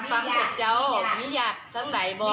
ฟังพาเจ้ามิหยาศทั้งหลายบอร์น